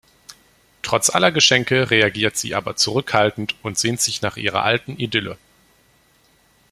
Trotz aller Geschenke reagiert sie aber zurückhaltend und sehnt sich nach ihrer alten Idylle.